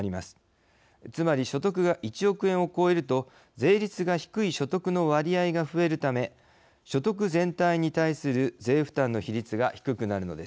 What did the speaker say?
つまり所得が１億円を超えると税率が低い所得の割合が増えるため所得全体に対する税負担の比率が低くなるのです。